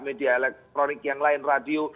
media elektronik yang lain radio